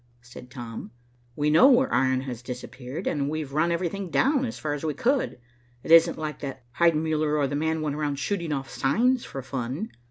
said Tom. "We know where iron has disappeared, and we've run everything down as far as we could. It isn't likely that Heidenmuller or the man went around shooting off signs for fun."